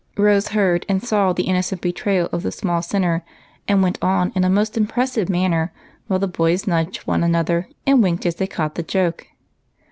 Rose heard and saw the innocent betrayal of the EAR RINGS. 175 small sinner, and Avent on in a most imj^ressive man ner, while the boys nudged one another and winked as they caught the joke.